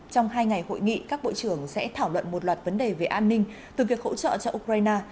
trong hai ngày hội nghị các bộ trưởng sẽ thảo luận một loạt vấn đề về an ninh từ việc hỗ trợ cho ukraine